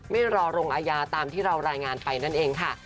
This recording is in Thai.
ไม่รอลงอาญาตามที่เรารายงานไปนั่นเองค่ะ